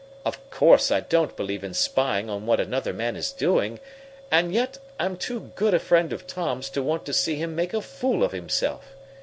"Of course I don't believe in spying on what another man is doing, and yet I'm too good a friend of Tom's to want to see him make a fool of himself.